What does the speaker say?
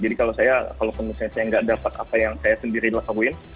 jadi kalau saya kalau misalnya saya nggak dapat apa yang saya sendiri lakuin